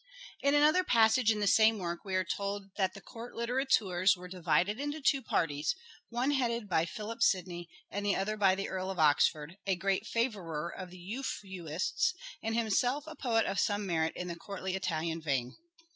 In another passage in the same work we are told that the court litterateurs were divided into two parties, one headed by Philip Sidney, and the other by the Earl of Oxford, " a great favourer of theEuphuists and himself a poet of some merit in the courtly Italian vein."